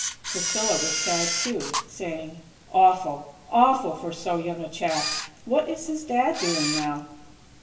_" Priscilla was sad, too, saying: "Awful! Awful for so young a chap. What is his Dad doing now?"